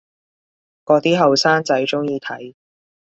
嗰啲後生仔鍾意睇